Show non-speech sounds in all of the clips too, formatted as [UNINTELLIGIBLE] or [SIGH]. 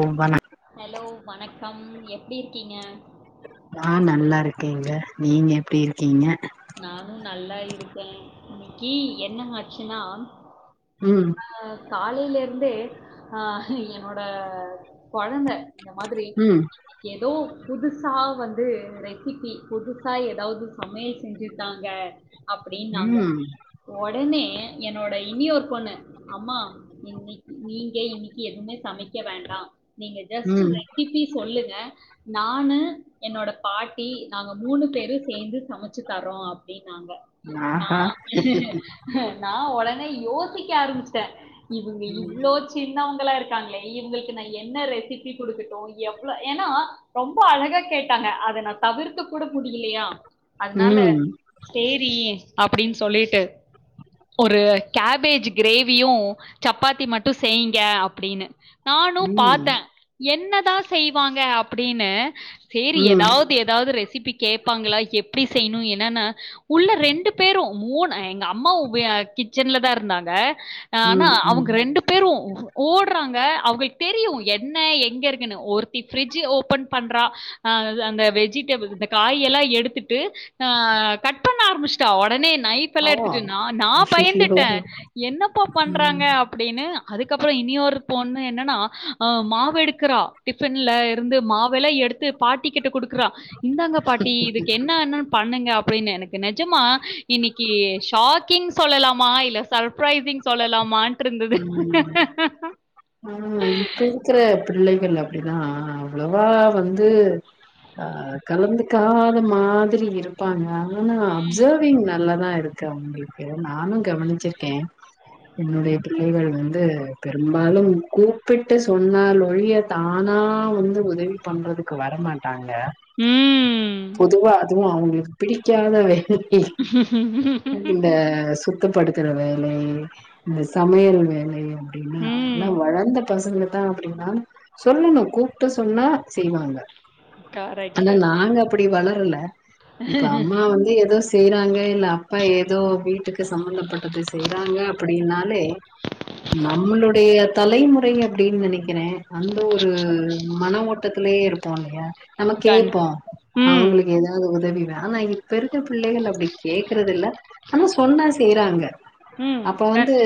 ஓம் வண ஹலோ வணக்கம் எப்டி இருக்கீங்க நா நல்லா இருக்கேங்க நீங்க எப்டி இருக்கீங்க நானு நல்லா இருக்கே இன்னைக்கு என்னங்க ஆச்சுன்னா ம் அ காலைல இருந்தே அ என்னோட கொழந்த இந்த மாதிரி ம் ஏதோ புதுசா வந்து ரெசிபி புதுசா ஏதாது சமையல் செஞ்சுதாங்க அப்டின்னாங்க ம் ஒடனே என்னோட இனியொரு பொண்ணு அம்மா இன்னைக்கு நீங்க இன்னைக்கு எதுமே சமைக்க வேண்டா நீங்க ஜஸ்ட் ம் ரெசிபி சொல்லுங்க நானு என்னோட பாட்டி நாங்க மூணு பேரு சேந்து சம ச்சு தர்றோ அப்டின்னாங்க நா ஆஹா நா ஒடனே யோசிக்க ஆரம்ச்ட்டே இவுங்க ம் இவ்ளோ சின்னவங்களா இருக்காங்ளே இவ்ங்ளுக்கு நா என்ன ரெசிபி குடுக்கட்டு எவ்ளோ ஏன்னா ரொம்ப அழகா கேட்டாங்க அத நா பகிர்ந்துக் கூட முடியலையா அதனால ம் சேரி அப்டின்னு சொல்லிட்டு ஒரு கேபேஜ் கிரேவியு சப்பாத்தி மட்டு செய்ங்க அப்டின்னு நானு ம் பாத்தே என்னதா செய்வாங்க அப்டின்னு சரி ம் ஏதாவ்து ஏதாவ்து ரெசிபி கேப்பாங்களா எப் ப்டி செய்ணு என்னன்னா உள்ள ரெண்டு பேரு மூண எங்க அம்மா உபய கி ச்சன்ல தா இருந்தாங்க ஆனா ம் ம் அவ்ங்க ரெண்டு பேரும் ஓடுறாங்க அவுங்க தெரியு என்ன எங்க இருக்குன்னு ஒருத்தி ஃபிரீட்ஜ் ஓபன் பண்றா அ அது அந்த வெஜிடபிள் இந்த காய் எல்லா எடுத்துட் டு அ கட் பண்ண ஆரம்பிச்சுட்டா ஒடனே நை ஓ ஃப்ல்லா எடுத்துட்டு நா நா அய்யய்யோ பயந்துட்டே என்னப்பா பண்றாங்க ம் அப் அப்டின்னு அதுக்கப்பறோ இனியொரு பொண்ணு என்னன்னா அ மாவெடுக்கிறா டிப் பன்ல இருந்து மாவல்ல எடுத்து பாட்டி கிட்ட குடுக்குறா இந்தாங்க பாட்டி இதுக்கு என்ன என்னன்னு பண்ணுங்க அப்டின்னு எனக்கு கு நெஜமா இன்னைக்கு ஷாக்கிங் சொல்லலாமா இல்ல சர்பிரைசிங் சொல்லலாமா ட்ருந்தது ம் ஆ இப்ப இருக்கிற பிள்ளைகள் அப்டிதா அவ்ளோவா வந்து அ கலந்துக்காத மாதிரி இருப்பாங்க ஆனா ம். அப்சர்விங் நல்லாதா இருக் கண்டிப்ப நானு கவனிச்சிருக்கே என்னுடைய பிள்ளைகள் வந்து பெரும்பாலு கூப்பிட்டு சொன்னால் ஒழிய தானா வந்து உதவி பண்றதுக்கு வரமாட் டாங்க ம். பொதுவா அதுவு அவுங்களுக்கு பிடிக்காத [UNINTELLIGIBLE] இந்த சு த்தப்படுத்துற வேலை இந்த சமையல் வேலை அப்டின்னா ஆனா ம். வளந்த பசங்க தா அப்டின்னா சொல்லணு கூப்ட்டு சொன்னா செய்வாங்க ஆனா கரெக்ட்டு. நாங்க அப்டி வளரல இப்ப அம்மா வந்து ஏதோ செய்றாங்க இல்ல அப்பா ஏதோ வீட்டுக்கு சம்பந்தப்பட்டதை செய்யறாங்க அப்டின்னாலே நம்மளுடைய தலைமுறை அப்டின் நெனைக் கிறே அந்த ஒரு மன ஓட்டத்திலயே இருப்போ இல்லையா நம்ம கண் கேட்போ ம். அவுங்களுக்கு ஏதாவ்து உதவி வே ஆனா இப் பெருக்க பிள்ளைகள் அப்டி கேக்குறதில்ல ஆனா சொன்னா செய்யறாங்க ம். அப்ப கண் வந்து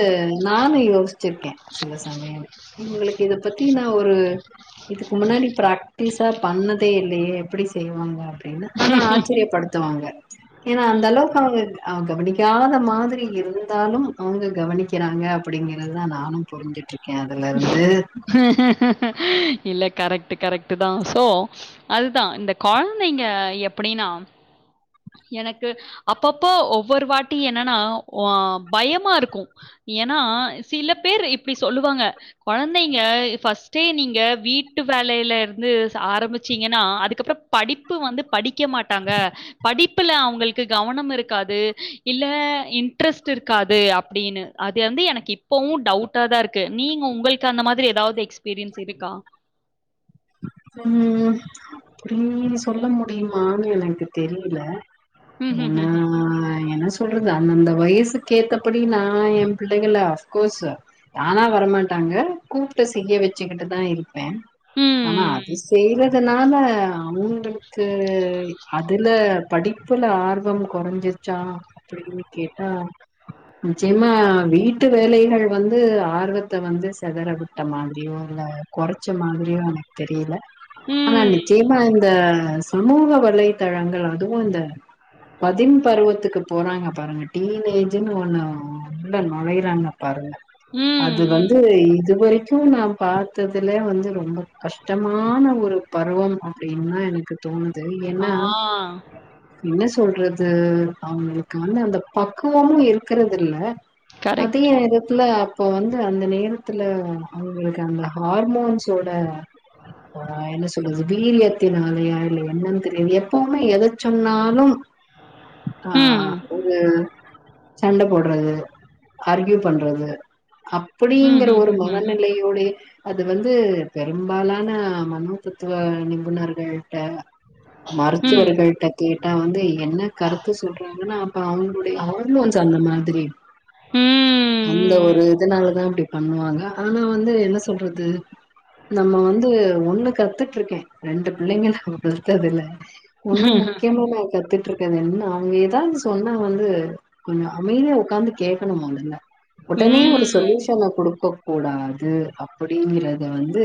நானு யோசிச்சிருக்கே சில சமய இவுங்களுக்கு இத பத்தினா ஒரு இதுக்கு முன்னாடி பிர்ராக்டிஸா பண்ணதே இல்லையே எப்டி செய்வாங்க அப் டின்னு ஆனா ஆச்சரியப்படுத்துவாங்க ஏன்னா ம். அந்த அளவுக்கு அவுங்க அ கவனிக்காத மாதிரி இருந்தாலு அவுங்க கவனிக்கிறா ங்க அப்டிங்கறிறதுதா நானு புரிஞ்ட் இல்ல கரெக்ட் கரெக்ட் தா சோ அதுதா இந்த கொழந்தைங்க எப்டின்னா எனக்கு அப்பப்போ ஒவ்வொரு வாட்டி என்னன்னா ஒ பயமா இருக்கு ஏன்னா சில பேர் இப்டி சொல்லுவாங்க கொழந்தைங்க ஃபர்ஸ்ட்டே நீங்க வீட்டு வேலையில இருந்து ச ஆரம்பிச்சீங்கன்னா அதுக்கப்பறோ படிப்பு வந்து படிக்க மாட்டாங்க படிப்புல அவுங்களுக்கு கவனம் இருக்காது இல்ல இன்ட்ரெஸ்ட் இருக்காது அப்டினு அது வந்து எனக்கு இப்பவு டவுட்டா தா இருக்கு நீங்க உங்களுக்கு அந்த மாதிரி ஏதாவ்து எக்ஸ்பீரியன்ஸ் இருக்கா ம் [INAUDIBLE] சொல்ல முடியுமான்னு எனக்கு தெரியில என்னா ம்ஹ்ஹ்ம். என்ன சொ ல்றது அந்த அந்த வயசுக்கேத்தபடி நா என் பிள்ளைகல ஆப்கோஸ்ஸு தானா வரமாட்டாங்க கூப்பிட்டு செய்ய வச்சுக்கிட்டுதா இருப்பே ம். ஆனா அது ம். செய்யறதுனால அவுங்களுக்கு அதுல படிப்புல ஆர்வ கொறஞ்சிர்ச்சா அப்டின்னு கேட்டா நிச்சியமா வீட் வீட்டு வேலைகள் வந்து ஆர்வத்த வந்து செதற விட்ட மாதிரியோ இல்ல கொறைச்ச மாதிரியோ தெரில ம். ஆனா ம். நிச்சயமா இந்த சமூக வலைத்தழங்கள் அதுவு இந்த பதிம் பருவத்துக்கு போறாங்க பாருங்க டீனேஜுன்னு ஒன்னு உள்ள நுழைறாங்க பாருங்க ம் அது ம் ம். வந்து இது வரைக்கு நா பாத்ததுலே வந்து ரொம்ப கஷ்டமான ஒரு பருவம் அப்டின்தா எனக்கு தோணுது ஆ. ஏன்னா என்ன சொல்றது அவுங்குளுக்கு வந்து அந்த பக்குவமு இருக்குறது இல்ல கரெக்ட். அது [UNINTELLIGIBLE] இதுல அப்போ வந்து அந்த நேரத்துல அவுங்களுக்கு அந்த ஹார்மோன்ஸோட ஆ என்ன சொல்றது வீரியத்தினாலயா இல்ல என்னன் தெரில எப்பவுமே எத சொன்னாலு ஆ ஆ ஒரு சண்ட போட்றது ஆர்கியூ பண்றது அப் புடிங்கிற ஒரு மனநிலை யோடையே அது வந்து பெரும்பாலான மனோ தத்துவ நிபுணர்கள் ட்ட மருத்துவர்கள் ட்ட கேட்டா வந்து என்ன கருத்து சொல்றாங்கன்னா அப்ப அவுங்குளுடைய ஹார்மோன்ஸ் அந்த மாதிரி அந்த ஒரு இதனாலதா அப்டி பண்ணுவாங்க ஆனா வந்து என்ன சொல்றது நம்ம வந்து ஒன்னு கத்துட்ருக்கே ரெண்டு பிள்ளைங்கள நம்ம பெத்ததுல்ல ஒன்னு முக்கியமா நா கத்துட்ருக் து என்ன அவங்க எதாவது சொன்னா வந்து கொஞ்சோ அமைதியா ஒக்காந்து கேக்கணுமாம்ல ம். ஒடனே ம். ஒரு சொல்யூஷன குடுக்க கூடாது அப்டிங்கறத வந்து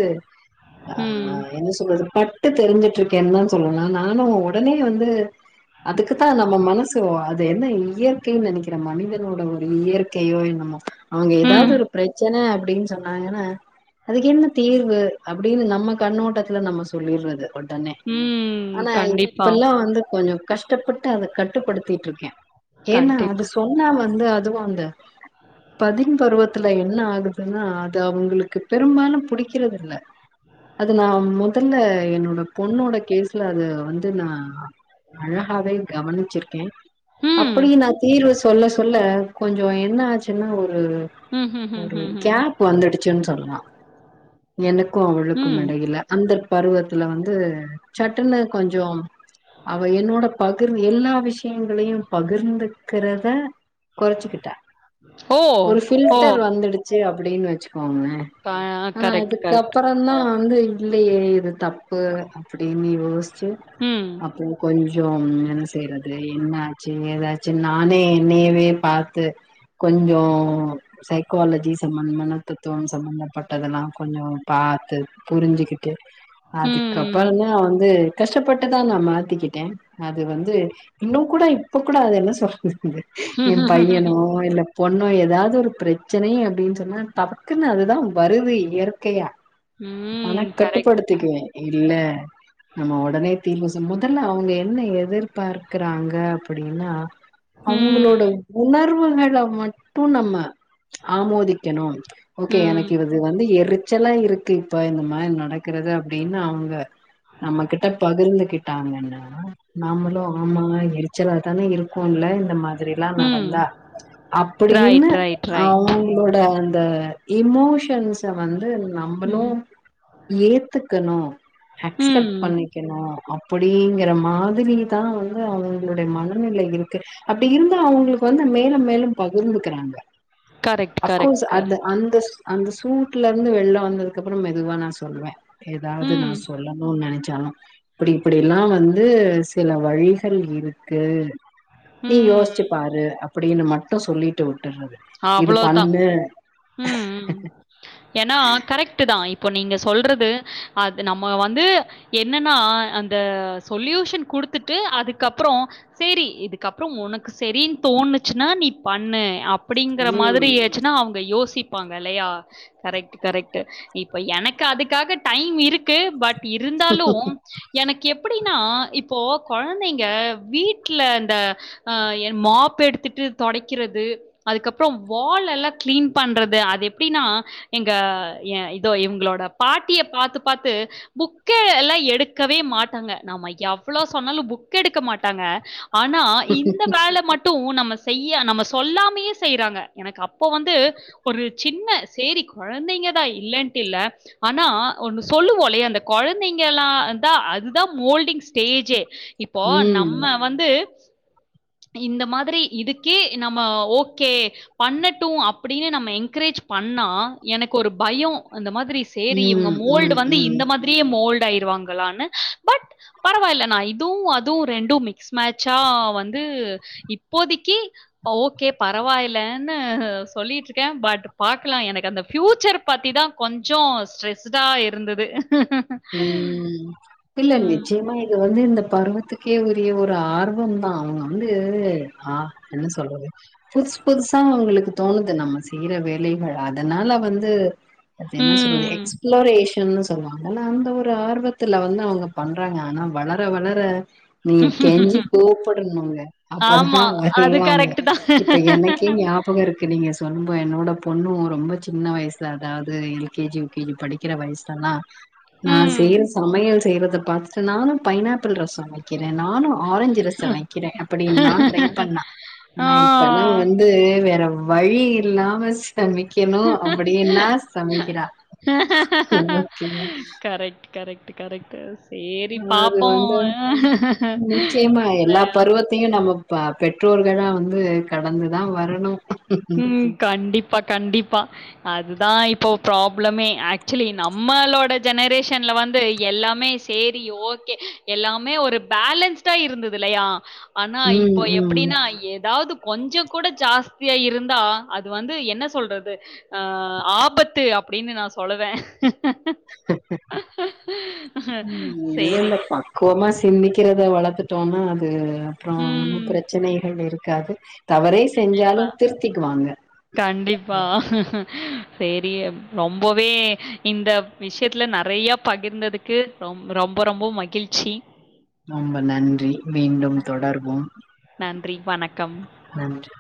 ஆ ம். என்ன சொல்ற பட்டு தெரிஞ்சட்ருக்கேன்தா சொல்லலா நானு ஒடனே வந்து அதுக்குதா நம்ம மனசு அது என்ன இயற்கைன் நெனைக்கிற மனிதனோட ஒரு இயற்கையோ என்னமோ அவுங்க எதாவது ஆமா. ஒரு பிரச்சன அப்டின் சொன்னாங்கனா அதுக்கு என்ன தீர்வு அப்டின்னு நம்ம கண்ணோட்டத்துல நம்ம சொல்லிர்றது ஒடனே ம். ஆனா கண்டிப்பா. இப்பல்லா வந்து கொஞ்சோ கஷ்டப்பட்டு அத கட்டுப்படுத்திட்ருக்கே ஏனா அது கண்டிப்பா. சொன்னா வந்து அதுவு அந்த பதின் பருவத்துல என்ன ஆகுதுன்னா அது அவுங்களுக்கு பெரும்பாலு புடி க்கிறது இல்ல அது நா மொதல்ல என்னோட பொண்ணோட கேஸ்ல அது வந்து நா அழகாவே கவனிச்சிருக்கே ம். அப்புடி நா தீர்வு சொல்ல சொல்ல கொஞ்சோ என்ன ஆச்சின்னா ஒரு ஒரு ம்ஹ்ஹ்ஹ்ஹ்ம். கேப் வந்துடுச்சுன் சொல்லா எனக்கு அவுளுக்கு ம். இடையில அந்த பருவத்துல வந்து சட்டுன்னு கொஞ்சோ அவ என்னோட பகிர் எல்லா விஷயங்களையு பகிர்ந்துக்குறத கொறச்சிக்கிட்டா ஓ! ஒரு ஓ! ஃபில்டர் வந்துடுச்சி அப்டின் வச்சிக்கோங்கலே பா கரெக்ட் கரெக்ட். க்கப்பறந்தா வந்து இல்லையே இது தப்பு அப்டின் யோசிச்சி ம் அப்றோ கொஞ்சோ என்ன செய்யறது என்னாச்சு ஏதாச்சு நானே என்னையவே பாத்து கொஞ்சோ சைக்காலஜி சம்பந்த தத்துவோ சம்பந்தப்பட்டதெல்லா கொஞ்சோ பாத்து புரிஞ்சிக்கிட்டு ம். அதுக்கப்பறந்தா வந்து கஷ்டப்பட்டுதா நா மாத்திக்கிட்டே அது வந்து இன்னு கூட இப்ப கூட அது என்ன சொல்றது என் பையனோ இல்ல பொண்ணு ஏதாவது ஒரு பிரச்சனை அப்படின்னு சொன்னா டக்குன்னு அதுதான் வருது இயற்கையா ஆனா ம். Correct, correct. கட்டுப்படுத்திக்குவே இல்ல நம்ம உடனே தீர்வு சொல் முதல்ல அவங்க என்ன எதிர்பாக்கறாங்க அப்படின்னா ம். அவங்களோட உணர்வுகளை மட்டு நம்ம ஆமோதிக்கணு ஓகே ம். எனக்கு இது வந்து எரிச்சலா இருக்கு இப்ப இந்த மாதிரி நடக்றது அப்படின்னு அவுங்க நம்மகிட்ட பகிர்ந்துகிட்டாங்கன்னா நாமளு ஆமாங்க எரிச்சலா தானே இருக்குமுல்ல இந்த மாதிரி அப்படிலா ம். நடந்தா அப்படின்னு ரைட், ரைட், ரைட். அவங்களோட அந்த இமோஷன்ஸ வந்து நம்மளு ம். ஏத்துக்கணு ம். அக்செப்ட் பண்ணி க்கணு அப்டிங்கற மாதிரிதா வந்து அவுங்களுடைய மனநிலை இருக்கு அப்படி இருந்தா அவங்களுக்கு வந்து மேலு மேலு பகிர்ந்துக்குறாங்க கரெக்ட், அஃப்கோர்ஸ் கரெக்ட், அது கரெக்ட். அந்த அந்த சூட்ல இருந்து வெள்ல வந்ததுக்கு அப்புறோ மெதுவா நா சொல்ரே ஏதாவது நா ம். சொல்லணு நினைச்சாலு இப்படி இப்படிலா வந்து சில வழிகள் இருக்கு நீ ம். யோசிச்சி பாரு அப்டின்னு மட்டு சொல்லிட்டு விட்டுறது இது அவ்ளோதான். பண்ணு ம். ம். ஏன்னா கரெக்ட் தா இப்போ நீங்க சொல்றது அது நம்ம வந்து என்னன்னா அந்த சொலியூஷன் குடுத்துட்டு அதுக்கப்புறோ சரி இதுக்கப்புறோ உனக்கு சரின்னு தோணுச்சின்னா நீ பண்ணு அப்படிங்கற மாதிரி ம் இருந்துச்சின்னா அவுங்க யோசிப்பாங்க இல்லையா கரெக்ட் கரெக்ட் இப்ப எனக்கு அதுக்காக டைம் இருக்கு பட் இருந்தாலு எனக்கு எப்படின்னா இப்போ குழந்தைங்க வீட்டில் அந்த ஆ என் மாப் எடுத்துட்டு தொடைக்கிறது அதுக்கப்புறோ வால் எல்லா கிளீன் பண்ணுறது அது எப்படின்னா எங்க ஏ இதோ இவங்களோட பாட்டிய பாத்து பாத்து புக்க எல்லா எடுக்கவே மாட்டாங்க நம்ம எவ்வளவு சொன்னாலு புக் எடுக்க மாட்டாங்க ஆனா இந்த வேலை மட்டும் நம்ம செய்ய நம்ம சொல்லாமயே செய்யறாங்க எனக்கு அப்போ வந்து ஒரு சின்ன சேரி குழந்தைங்க தா இல்லன்ட்டு இல்ல ஆனா ஒண்ணு சொல்லுவோ இல்லிய அந்த குழந்தைங்கலா அதா அதான் மோல்டிங் ஸ்டேஜ்ஜே இப்போ ம் நம்ம வந்து இந்த மாதிரி இதுக்கே நம்ம ஓ கே பண்ணட்டு அப்படின்னு நம்ம என்கரேஜ் பண்ணா எனக்கு ஒரு பயோ அந்த மாதிரி சேரி இவுங்க ம் ம் மோல்டு ம் வந்து ம் இந்த மாதிரியே மோல்டு ஆயிருவாங்களான்னு பட் பரவாயில்ல நா இதுவு அதுவு ரெண்டு மிக்ஸ் மேட்சா வந்து இப்போதைக்கு ஓகே பரவாயில்லன்னு சொல்லிட்டு இருக்கே பட் பாக்கலா எனக்கு அந்த பியூச்சர் பத்திதா கொஞ்சோ ஸ்ட்ரெஸ்டா இருந்தது உ ம், இல்லநிச்சயமா இது வந்து இந்த பருவத்துக்கே உரிய ஒரு ஆர்வம் தா அது வந்து என்ன சொல்றது புதுசு புதுசா அவங்களுக்கு தோணுது நம்ம செய்யற வேலைகள் அதுனால வந்து அது என்ன சொல்றது ம். எக்ஸ்பளோரேஷன்னு சொல்லுவாங்க ஆனா அந்த ஒரு ஆர்வத்துல வந்து அவுங்க பண்றாங்க ஆனா வளர வளர நீங்க கெஞ்சி கூப்படணுங்க அப்பதா ஆமா. அது வருவாங்க கரெக்ட் இப்ப எனக்கே தான். ஞாப பகோ இருக்கு நீங்க சொல்லும்போ என்னோட பொண்ணு ரொம்ப சின்ன வயசுல அதாவது L K G U K G படிக் கிற வயஸ்லலா நா செய்யற ம். சமையல் செய்யறத பாத்துட்டு நானு பைனாப்பிள் ரசோ வ வக்கிறே நானு ஆரஞ்சு ரசோ வக்கிறே அப்டின் நா ட்ரை பண்ணா ஆ. ஆனா இப்பல்லா வந் து வேற வழி இல்லாம சமைக்கணு அப்டின்னா சமைக்கிறா ஓகேங்க கரெக்ட் கரெக்ட் கரெக்ட்டு சேரி அது வந்து நிச்சயமா எல்லா பரு வத்தயு நம்ம ப பெற்றோர்களா வந்து கடந்துதா வரணு ம் கண்டிப்பா கண்டிப்பா அதுதா இப்ப ப்ராப்ளமே ஆக்சுவலி நம்மளோட ஜெனரேஷன்ல வந்து எல்லாமே சேரி ஓகே எல்லாமே ஒரு பேலன்ஸ்டா இருந்தது இல்லயா ஆனா ம் இப்போ ம் எப்டின்னா ஏதாவது கொஞ்ச கூட ஜாஸ்தியா இரு ந்தா அது வந்து என்ன சொல்றது அ ஆபத்து அப்பிடின்னு நா சொல்லுவே ம் இல்ல சரி. இல்ல பா கோமா சிந்திக்கிறத வளத்துட்டோனா அது அப்றோ ஒன்னு ம். பிரச்சனைகள் இருக்காது தவறே கண்டிப்பா. செஞ்சாலு திருத்திக்குவாங்க கண்டிப்பா ஹ சேரி ரொம்பவே இந்த விஷயத்துல நெறைய பகிர்ந்தது க்கு ரொம் ரொம்ப ரொம்ப மகிழ்ச்சி ரொம்ப நன்றி மீண்டும் தொடர்வோம் நன்றி வணக்கம் நன்றி